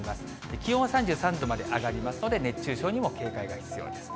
気温は３３度まで上がりますので、熱中症にも警戒が必要です。